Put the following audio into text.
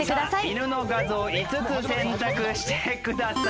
犬の画像５つ選択してください。